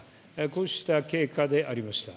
こうした経過でありました。